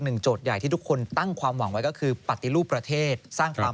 โจทย์ใหญ่ที่ทุกคนตั้งความหวังไว้ก็คือปฏิรูปประเทศสร้างความ